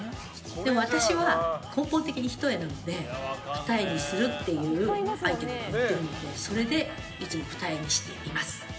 でも私は根本的に一重なので二重にするっていうアイテムがあるのでそれでいつも二重にしています。